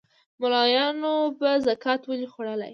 مُلایانو به زکات ولي خوړلای